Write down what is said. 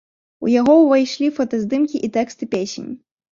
У яго ўвайшлі фотаздымкі і тэксты песень.